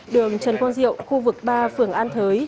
đường trần quang diệu khu vực ba phường an thới